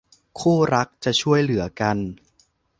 คู่รักจะช่วยเหลือกัน